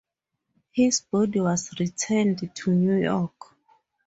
His body was returned to New York.